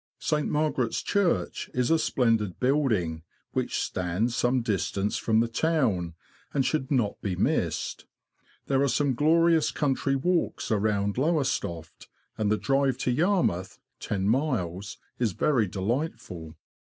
St. Margaret's Church is a splendid building, which stands some distance from the town, and should not be missed. There are some glorious country walks around Lowestoft, and the drive to Yarmouth (ten miles) is very delightful.